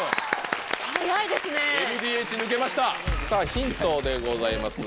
ヒントでございます。